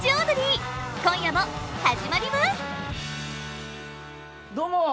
今夜も始まりますどうも！